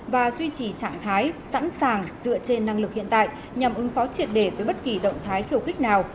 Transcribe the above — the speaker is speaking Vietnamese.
và duy trì trạng thái sẵn sàng dựa trên năng lực hiện tại nhằm ứng phó triệt đề với bất kỳ động thái khiêu khích nào